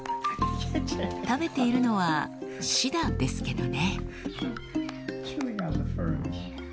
食べているのはシダですけどね。